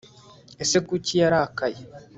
ese kuki yarakaye